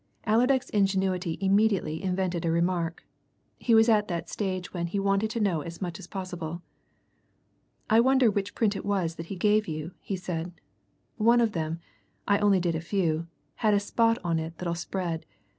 Allerdyke's ingenuity immediately invented a remark; he was at that stage when, he wanted to know as much as possible. "I wonder which print it was that he gave you?" he said. "One of them I only did a few had a spot in it that'll spread.